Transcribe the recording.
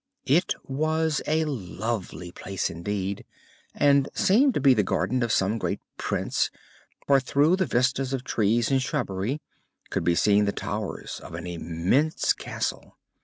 It was a lovely place, indeed, and seemed to be the garden of some great Prince, for through the vistas of trees and shrubbery could be seen the towers of an immense castle.